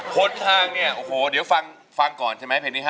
คนทางเนี่ยโอ้โหเดี๋ยวฟังก่อนใช่ไหมเพลงนี้๕